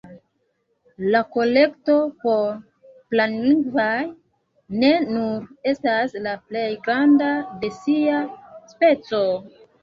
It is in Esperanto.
La Kolekto por Planlingvoj ne nur estas la plej granda de sia speco.